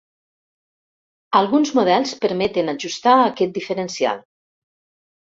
Alguns models permeten ajustar aquest diferencial.